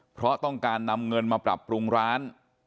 เพราะต้องการนำเงินมาปรับปรุงร้าน